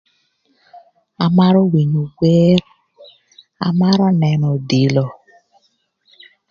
Amarö winyo wer, amarö nënö odilo.